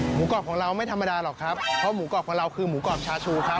กรอบของเราไม่ธรรมดาหรอกครับเพราะหมูกรอบของเราคือหมูกรอบชาชูครับ